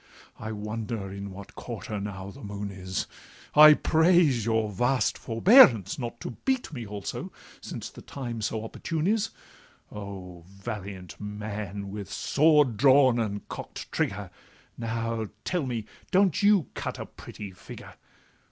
I wonder in what quarter now the moon is: I praise your vast forbearance not to beat Me also, since the time so opportune is— O, valiant man! with sword drawn and cock'd trigger, Now, tell me, don't you cut a pretty figure?